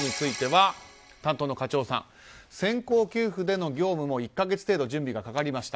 担当の課長さん先行給付での業務も１か月程度準備がかかりました。